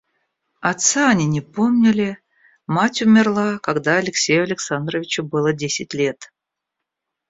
Отца они не помнили, мать умерла, когда Алексею Александровичу было десять лет.